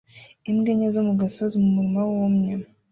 Imbwa enye zo mu gasozi mu murima wumye